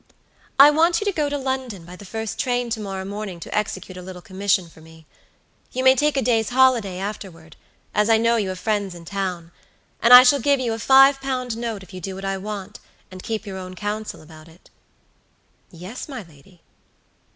"I want you to go to London by the first train to morrow morning to execute a little commission for me. You may take a day's holiday afterward, as I know you have friends in town; and I shall give you a five pound note if you do what I want, and keep your own counsel about it." "Yes, my lady."